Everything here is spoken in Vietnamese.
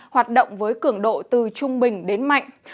hoạt động với cường độ từ trung bình đến mạnh